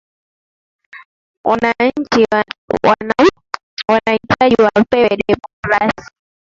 wananchi wana wanahitaji wapewe demokrasi